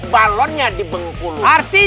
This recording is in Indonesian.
balonnya di bengkulu